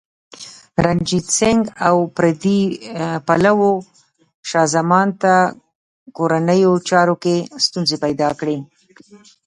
رنجیت سنګ او پردي پلوو شاه زمان ته کورنیو چارو کې ستونزې پیدا کړې.